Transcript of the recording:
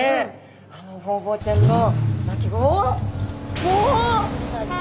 あのホウボウちゃんの鳴き声おお？